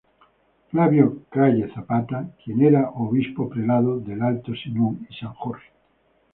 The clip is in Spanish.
Flavio Calle Zapata, quien era Obispo-Prelado del Alto Sinú y San Jorge.